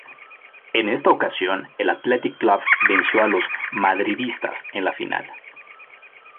En esta ocasión el Athletic Club venció a los madridistas en la final.